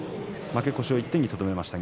負け越しを１点にとどめました。